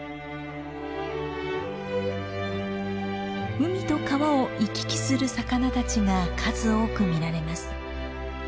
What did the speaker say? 海と川を行き来する魚たちが数多く見られます。